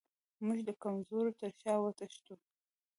موږ د کمزورو تر شا وتښتو.